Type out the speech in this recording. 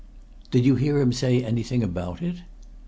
"Did you hear him say anything about it?"